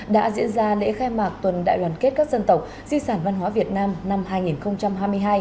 đã diễn ra lễ khai mạc tuần đại đoàn kết các dân tộc di sản văn hóa việt nam năm hai nghìn hai mươi hai